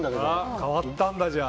変わったんだ、じゃあ。